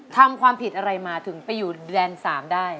ทำความผิดอะไรมาถึงไปอยู่แดน๓ได้